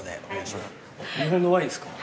日本のワインですか？